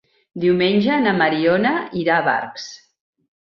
Diumenge na Mariona irà a Barx.